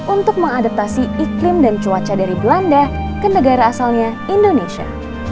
untuk mengadaptasi iklim dan cuaca dari belanda ke negara asalnya indonesia